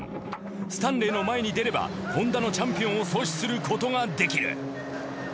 スタンレーの前に出ればホンダのチャンピオンを阻止することができる。